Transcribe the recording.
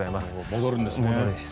戻るんですね。